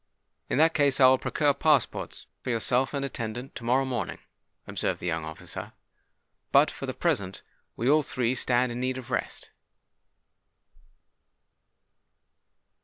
"In that case I will procure passports for yourself and attendant, to morrow morning," observed the young officer. "But, for the present, we all three stand in need of rest."